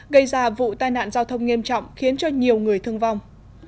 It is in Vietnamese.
gây ra vụ tai nạn giao thông nghiêm trọng khiến cho nhiều người thương vong